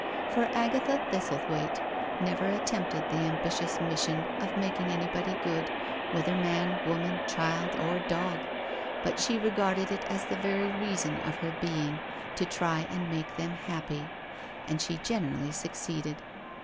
For Agatha Thistle thwaite never attempted the ambitious mission of mak ing anybody good, whether man, woman, child, or dog, but she regarded it as the very reason of her being to try and make them happy, and she generally suc ceeded.